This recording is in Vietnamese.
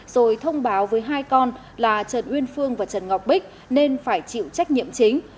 rồi thông báo với hai con là trần uyên phương và trần ngọc bích nên phải chịu trách nhiệm chính